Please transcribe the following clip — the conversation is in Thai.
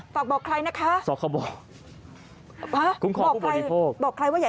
ฝากบอกใครนะคะสอบคบ